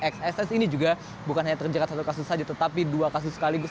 xss ini juga bukan hanya terjerat satu kasus saja tetapi dua kasus sekaligus